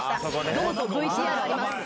どうぞ、ＶＴＲあります。